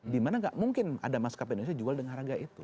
dimana tidak mungkin ada mas kpu indonesia jual dengan harga itu